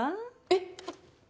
えっ！？